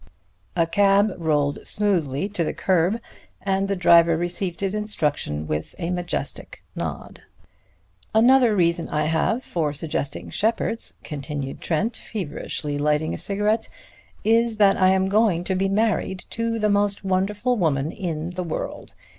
A cab rolled smoothly to the curb, and the driver received his instruction with a majestic nod. "Another reason I have for suggesting Sheppard's," continued Trent, feverishly lighting a cigarette, "is that I am going to be married to the most wonderful woman in the world.